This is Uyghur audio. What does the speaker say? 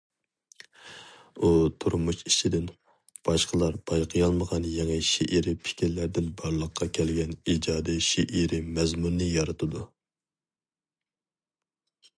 ئۇ تۇرمۇش ئىچىدىن باشقىلار بايقىيالمىغان يېڭى شېئىرىي پىكىرلەردىن بارلىققا كەلگەن ئىجادىي شېئىرىي مەزمۇننى يارىتىدۇ.